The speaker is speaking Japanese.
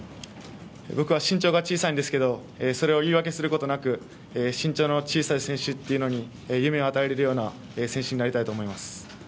僕は身長が小さいんですけど、それを言い訳することなく、身長の小さい選手というのに夢を与えられるような選手になりたいと思います。